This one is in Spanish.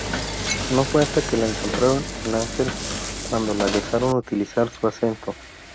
No fue hasta que le contrataron en Ángel cuando le dejaron utilizar su acento.